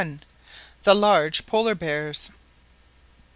THE LARGE POLAR BEARS.